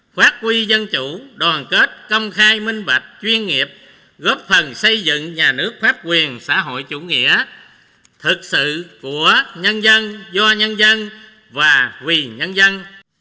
phát huy dân chủ đoàn kết công khai minh bạch chuyên nghiệp góp phần xây dựng nhà nước pháp quyền xã hội chủ nghĩa thực sự của nhân dân do nhân dân và vì nhân dân